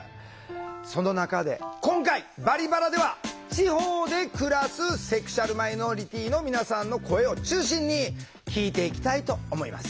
その中で今回「バリバラ」では地方で暮らすセクシュアルマイノリティーの皆さんの声を中心に聞いていきたいと思います。